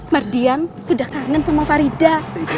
mardian sudah kangen sama farida